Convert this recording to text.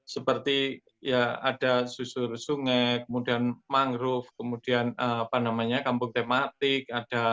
seperti ya ada susur sungai kemudian mangrove kemudian kampung tematik